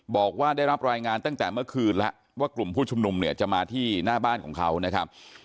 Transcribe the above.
บอกว่าได้รับรายงานตั้งแต่เมื่อคืนแล้วว่ากลุ่มผู้ชุมนุมเนี่ยจะมาที่หน้าบ้านของเขานะครับ